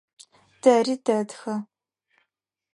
Тэри тэтхэ.